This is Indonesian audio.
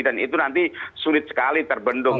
dan itu nanti sulit sekali terbendung